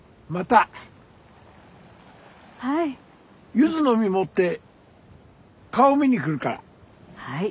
柚子の実持って顔見に来るから。はい。